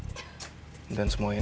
jadi gak susah bagi aku